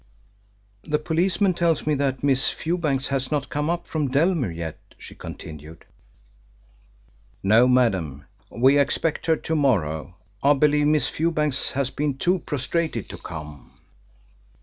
"The policeman tells me that Miss Fewbanks has not come up from Dellmere yet," she continued. "No, madam. We expect her to morrow. I believe Miss Fewbanks has been too prostrated to come."